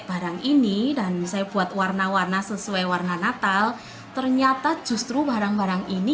barang ini dan saya buat warna warna sesuai warna natal ternyata justru barang barang ini